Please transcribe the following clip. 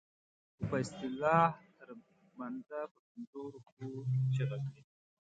او په اصطلاح تر بنده په پنځو روپو چیغه کړي.